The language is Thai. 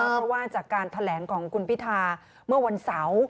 เพราะว่าจากการแถลงของคุณพิธาเมื่อวันเสาร์